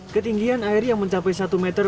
ketinggian air yang mencapai satu meter